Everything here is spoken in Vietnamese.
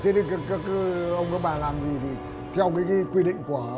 thế nên các ông các bà làm gì thì theo cái quy định của